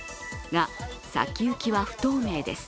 が、先行きは不透明です。